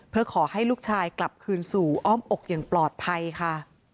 เพื่อขอให้ลูกชายกลับคืนสู่อ้อมอกอย่างปลอดภัยค่ะ